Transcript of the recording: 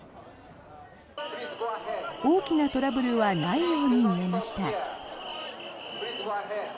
大きなトラブルはないように見えました。